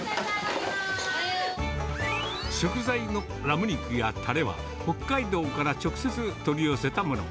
食材のラム肉やたれは、北海道から直接取り寄せたもの。